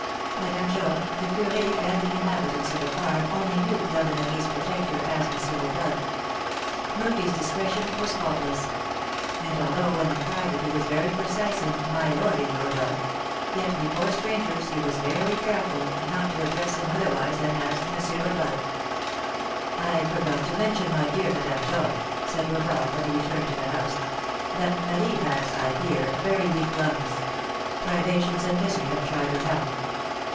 Madame Georges, the curé, and the inhabitants of the farm only knew Fleur de Marie's protector as M. Rodolph. Murphy's discretion was faultless; and although when in private he was very precise in "my lording" Rodolph, yet before strangers he was very careful not to address him otherwise than as M. Rodolph. "I forgot to mention, my dear Madame Georges," said Rodolph, when he returned to the house, "that Marie has, I fear, very weak lungs, privations and misery have tried her health.